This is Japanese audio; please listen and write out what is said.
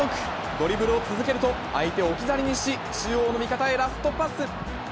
ドリブルを続けると、相手を置き去りにし、中央の味方へラストパス。